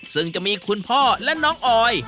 ซึ่งจะมีคุณพ่อและน้องออย